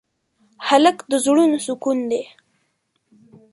هلک د زړونو سکون دی.